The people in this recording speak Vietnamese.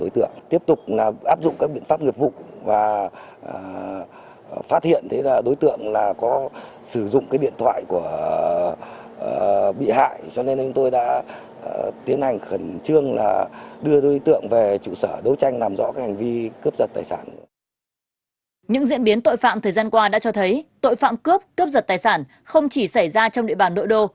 tội phạm thời gian qua đã cho thấy tội phạm cướp cướp giật tài sản không chỉ xảy ra trong địa bàn nội đô